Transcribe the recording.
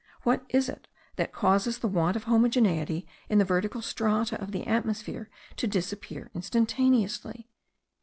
What is it that causes the want of homogeneity in the vertical strata of the atmosphere to disappear instantaneously?)